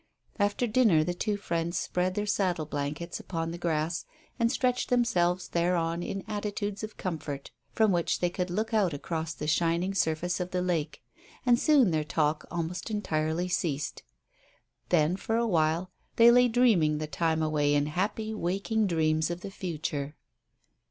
After dinner the two friends spread their saddle blankets upon the grass, and stretched themselves thereon in attitudes of comfort, from which they could look out across the shining surface of the lake; and soon their talk almost entirely ceased. Then, for a while, they lay dreaming the time away in happy waking dreams of the future.